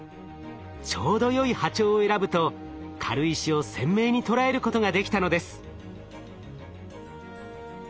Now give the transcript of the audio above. ちょうどよい波長を選ぶと軽石を鮮明に捉えることができたのです。